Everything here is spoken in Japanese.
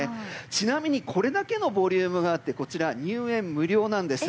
ちなみにこれだけのボリュームがあってこちら入園無料なんです。